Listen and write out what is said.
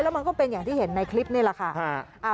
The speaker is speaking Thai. มันก็เป็นอย่างที่เห็นในคลิปนี่แหละค่ะ